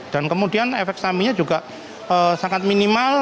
dan kemudian efek saminya juga sangat minimal